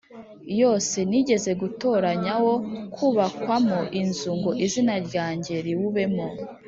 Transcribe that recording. yose nigeze gutoranya wo kubakwamo inzu ngo izina ryanjye riwubemo